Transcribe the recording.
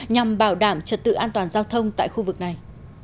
nhằm bảo đảm trật tự an toàn giao thông tại khu vực này